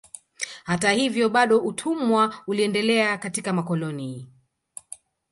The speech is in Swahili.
Hata hivyo bado utumwa uliendelea katika makoloni